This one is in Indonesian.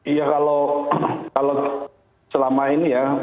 iya kalau selama ini ya